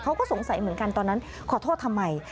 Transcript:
เขาก็สงสัยเหมือนกันตอนนั้นขอโทษทำไม